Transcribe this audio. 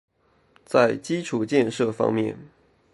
在基础建设方面